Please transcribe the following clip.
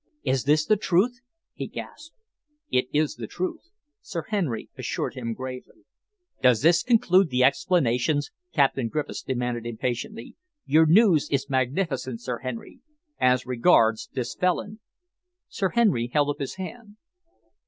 "Is this the truth?" he gasped. "It is the truth," Sir Henry assured him gravely. "Does this conclude the explanations?" Captain Griffiths demanded impatiently. "Your news is magnificent, Sir Henry. As regards this felon " Sir Henry held up his hand.